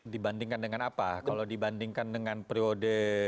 dibandingkan dengan apa kalau dibandingkan dengan periode